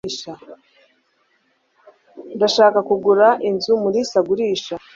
ndashaka kugura inzu mulisa agurisha